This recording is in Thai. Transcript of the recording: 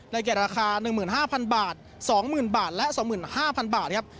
ในการราคา๑๕๐๐๐บาท๒๐๐๐๐บาทและ๒๕๐๐๐บาทนะครับ